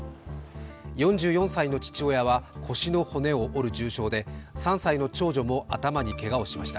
４４歳の父親は腰の骨を折る重傷で３歳の長女も頭にけがをしました。